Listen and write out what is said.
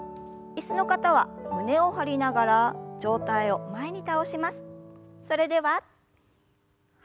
椅子の方は胸を張りながら上体を前に。